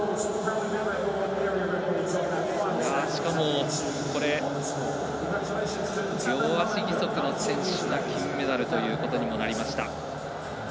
しかも、両足義足の選手が金メダルということにもなりました。